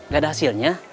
gak ada hasilnya